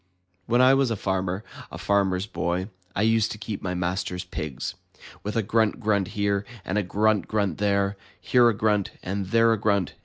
When I was a farmer, a Farmer's Boy, I used to keep my master's pigs. With a grunt grunt here, and a grunt grunt there, Here a grunt, and there a grunt.